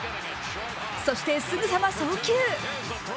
そして、すぐさま送球。